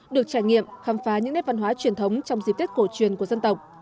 được trải nghiệm khám phá những nét văn hóa truyền thống trong dịp tết cổ truyền của dân tộc